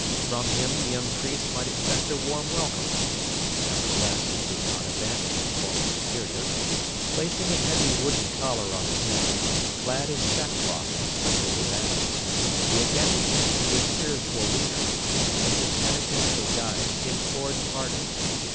From him the young priest might expect a warm welcome. Nevertheless he did not yet abandon his former superior. Placing a heavy wooden collar on his neck, clad in sackcloth and sprinkled with ashes, he again returned to his spiritual leader, and in this penitential guise implored pardon.